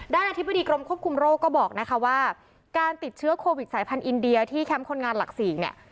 อธิบดีกรมควบคุมโรคก็บอกนะคะว่าการติดเชื้อโควิดสายพันธุอินเดียที่แคมป์คนงานหลัก๔เนี่ย